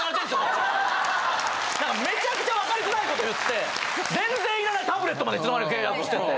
めちゃくちゃ分かりづらいこと言って全然いらないタブレットまでいつの間にか契約してて。